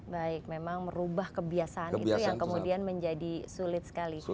baik memang merubah kebiasaan itu yang kemudian menjadi sulit sekali